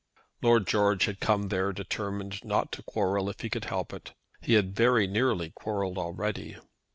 Lord George had come there determined not to quarrel if he could help it. He had very nearly quarrelled already.